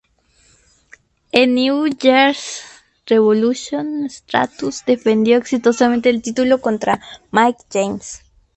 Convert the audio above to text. En "New Year's Revolution" Stratus defendió exitosamente el título contra Mickie James.